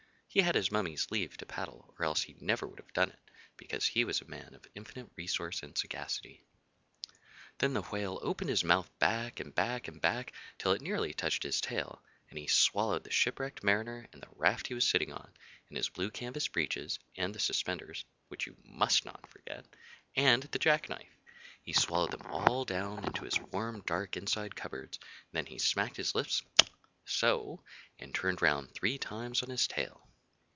(He had his mummy's leave to paddle, or else he would never have done it, because he was a man of infinite resource and sagacity.) Then the Whale opened his mouth back and back and back till it nearly touched his tail, and he swallowed the shipwrecked Mariner, and the raft he was sitting on, and his blue canvas breeches, and the suspenders (which you must not forget), and the jack knife He swallowed them all down into his warm, dark, inside cup boards, and then he smacked his lips so, and turned round three times on his tail.